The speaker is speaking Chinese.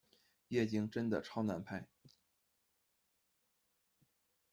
夜景真的超难拍